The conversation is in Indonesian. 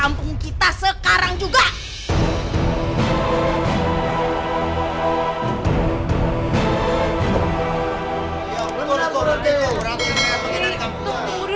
nama bu ranti terus berarti saya enak nih